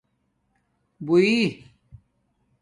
بݸئ